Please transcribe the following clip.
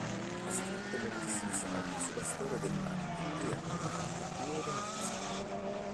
Ha scritto moltissimi saggi sulla storia dell'arte e ha pubblicato due romanzi.